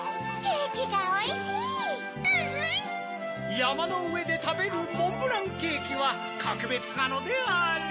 やまのうえでたべるモンブランケキはかくべつなのである。